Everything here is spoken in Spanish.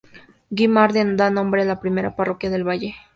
Güímar da nombre a la primera parroquia del valle.